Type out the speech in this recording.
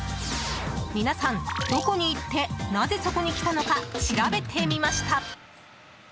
皆さん、どこに行ってなぜそこに来たのか調べてみました。